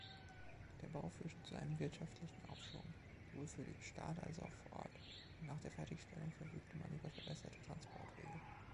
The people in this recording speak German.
Der Bau führte zu einem wirtschaftlichen Aufschwung, sowohl für den Staat als auch vor Ort, und nach der Fertigstellung verfügte man über verbesserte Transportwege.